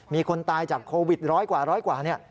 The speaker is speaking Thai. มีคนตายจากโควิด๑๙ร้อยกว่านี่